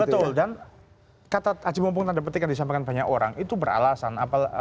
betul dan kata aji mumpung tanda petik yang disampaikan banyak orang itu beralasan